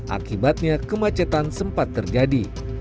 akibatnya kemacetan sempat terjadi